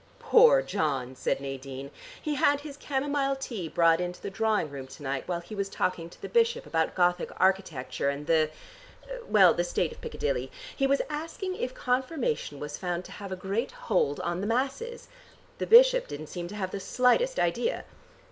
"Poor John!" said Nadine. "He had his camomile tea brought into the drawing room to night while he was talking to the bishop about Gothic architecture and the, well the state of Piccadilly. He was asking if confirmation was found to have a great hold on the masses. The bishop didn't seem to have the slightest idea."